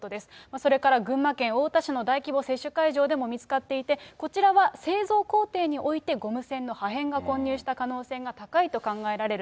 それから、群馬県太田市の大規模接種会場でも見つかっていて、こちらは製造工程においてゴム栓の破片が混入した可能が高いと考えられる。